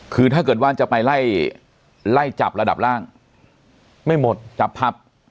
คือถ้าเกิดว่าจะไปไล่ไล่จับระดับล่างไม่หมดจับผับ